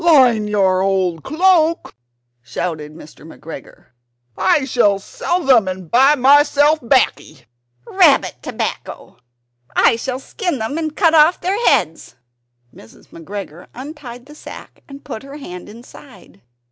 "Line your old cloak?" shouted Mr. McGregor "I shall sell them and buy myself baccy!" "Rabbit tobacco! I shall skin them and cut off their heads." Mrs. McGregor untied the sack and put her hand inside.